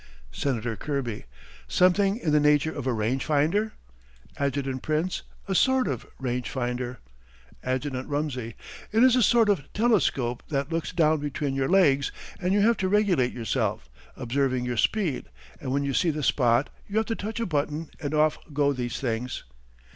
Senator Kirby: Something in the nature of a range finder? Adjt. Prince: A sort of range finder. Adjt. Rumsey: It is a sort of telescope that looks down between your legs, and you have to regulate yourself, observing your speed, and when you see the spot, you have to touch a button and off go these things.